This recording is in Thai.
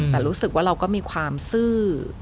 แต่รู้สึกว่าเราก็มีความซื่อ